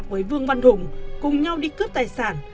với vương văn hùng cùng nhau đi cướp tài sản